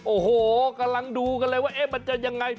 โอ้โหกำลังดูกันเลยว่ามันจะยังไง